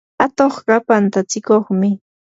atuqqa pantatsikuqmi.